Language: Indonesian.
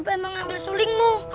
pengen mengambil sulingmu